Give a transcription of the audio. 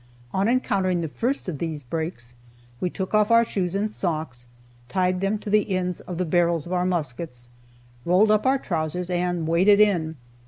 On encountering the first of these breaks, we took off our shoes and socks, tied them to the ends of the barrels of our muskets, rolled up our trousers, and waded in.